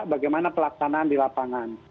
bagaimana pelaksanaan di lapangan